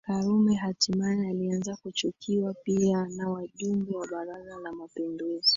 Karume hatimaye alianza kuchukiwa pia na Wajumbe wa Baraza la Mapinduzi